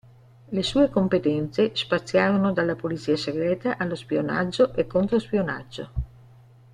Le sue competenze spaziarono dalla polizia segreta allo spionaggio e controspionaggio.